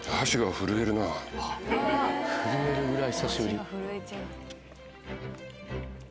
震えるぐらい久しぶり。